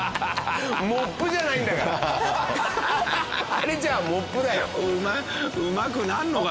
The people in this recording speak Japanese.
あれじゃモップだよ。